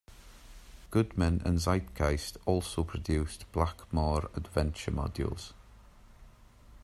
Goodman and Zeitgeist also produced Blackmoor adventure modules.